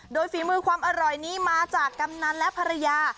โดยฝีมือความอร่อยนี้มาจากกำนันและภรรยา